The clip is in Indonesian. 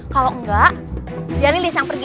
kalau enggak dia lilis yang pergi